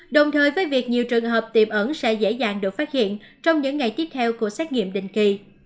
đồng thời với việc nhiều trường hợp tiềm ẩn sẽ dễ dàng được phát hiện trong những ngày tiếp theo của xét nghiệm định kỳ